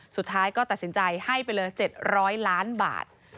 สุดท้ายก็ตัดสินใจให้ไปเลย๗๐๐ล้านบาท